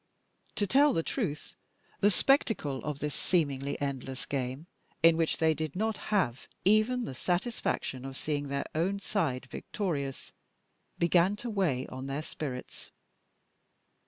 To tell the truth, the spectacle of this seemingly endless game, in which they did not have even the satisfaction of seeing their own side victorious, began to weigh on their spirits.